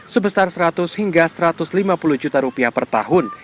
sebesar seratus hingga satu ratus lima puluh juta rupiah per tahun